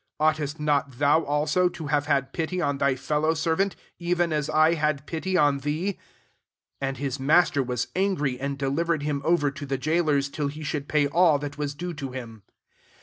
33 Oughtest not thou also, to have had pitf on thy iellow seryanti even as I had pity on thee ?' S4 And his mas ter was angry, and delivered him over to the jailors, till he should pay all that was due to him.